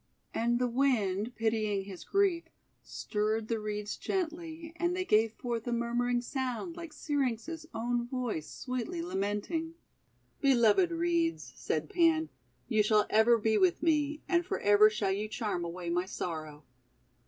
And the Wind, pitying his grief, stirred the Reeds gently, and they gave forth a murmuring sound like Syrinx' own voice sweetly lamenting. 'Beloved Reeds," said Pan, "you shall ever be with me, and for ever shall you charm away my sorrow."